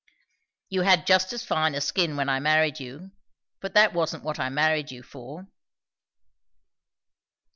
You had just as fine a skin when I married you; but that wasn't what I married you for."